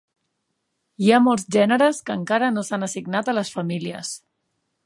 Hi ha molts gèneres que encara no s'han assignat a les famílies.